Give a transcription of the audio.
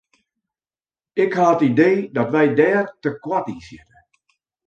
Ik ha it idee dat wy dêr te koart yn sjitte.